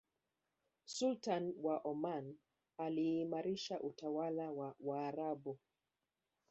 sultan wa oman aliimarisha utawala wa waarabu